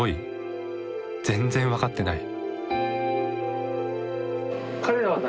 全然分かってない。